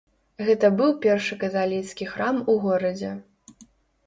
Гэта быў першы каталіцкі храм у горадзе.